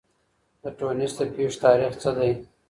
د ټونس د پېښې تاريخ څه دی؟